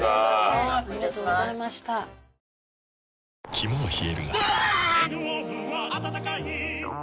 肝は冷えるがうわ！